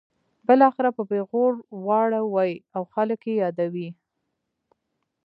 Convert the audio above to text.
بالاخره په پیغور واړوي او خلک یې یادوي.